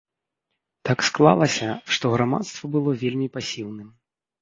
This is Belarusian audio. Так склалася, што грамадства было вельмі пасіўным.